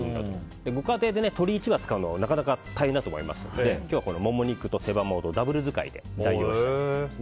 ご家庭で鶏１羽使うのはなかなか大変だと思いますので今日はモモ肉と手羽元のダブル使いで代用したいと思います。